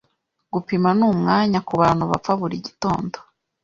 Gupima numwanya kubantu bapfa buri gitondo